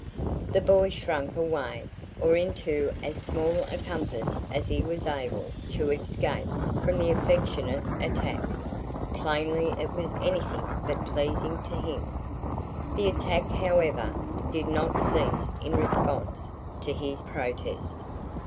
The boy shrunk away, or into as small a compass as he was able, to escape from the "affectionate attack." Plainly it was anything but pleasing to him. The "attack," however, did not cease in response to his protest.